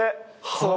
そう。